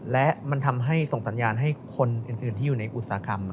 และมันทำให้ส่งสัญญาณให้คนอื่นที่อยู่ในอุตสาหกรรม